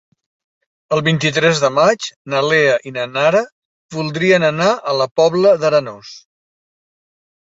El vint-i-tres de maig na Lea i na Nara voldrien anar a la Pobla d'Arenós.